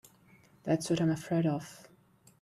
That's what I'm afraid of.